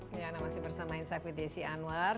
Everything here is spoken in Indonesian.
liana masih bersama insight with desi anwar